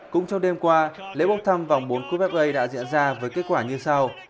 cũng trong đêm qua lễ bốc thăm vòng bốn cup fa đã diễn ra với kết quả như sau